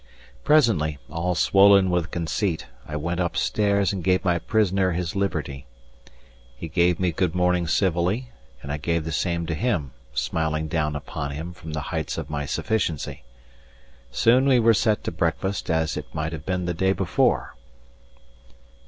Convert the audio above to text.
Presently, all swollen with conceit, I went up stairs and gave my prisoner his liberty. He gave me good morning civilly; and I gave the same to him, smiling down upon him, from the heights of my sufficiency. Soon we were set to breakfast, as it might have been the day before.